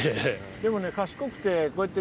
でもね賢くてこうやって。